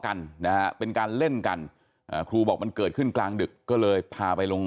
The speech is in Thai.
กันนะฮะเป็นการเล่นกันอ่าครูบอกมันเกิดขึ้นกลางดึกก็เลยพาไปลง